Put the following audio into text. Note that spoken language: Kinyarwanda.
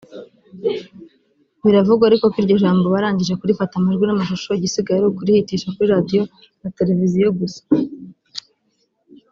Biravugwa ariko ko iryo jambo barangije kurifata amajwi n'amashusho igisigaye ari ukurihitisha kuri Radio na Television gusa